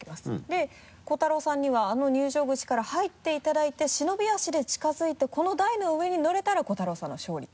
で瑚太郎さんにはあの入場口から入っていただいて忍び足で近づいてこの台の上に乗れたら瑚太郎さんの勝利。